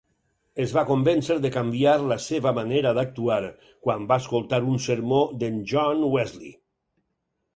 Es va convèncer de canviar la seva manera d'actuar quan va escoltar un sermó d'en John Wesley.